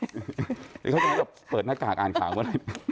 เดี๋ยวเขาจะให้เราเปิดหน้ากากอ่านข่าวก็ได้